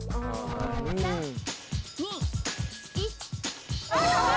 ３・２・１！